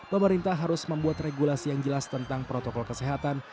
pemerintah harus membuat regulasi yang jelas tentang protokol kesehatan